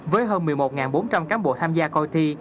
với hơn một mươi một bốn trăm linh cán bộ tham gia coi thi